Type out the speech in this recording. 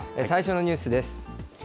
最初のニュースです。